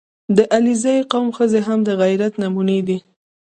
• د علیزي قوم ښځې هم د غیرت نمونې دي.